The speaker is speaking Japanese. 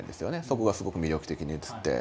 そこがすごく魅力的に映って。